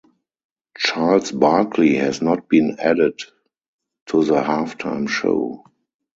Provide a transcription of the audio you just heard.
Charles Barkley has not been added to the halftime show.